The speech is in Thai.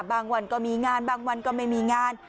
วันก็มีงานบางวันก็ไม่มีงาน